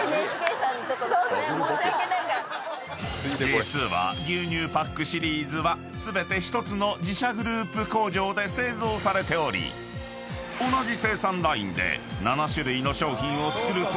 ［実は牛乳パックシリーズは全て１つの自社グループ工場で製造されており同じ生産ラインで７種類の商品を作ることで］